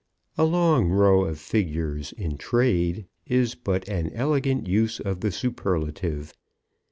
A long row of figures in trade is but an elegant use of the superlative.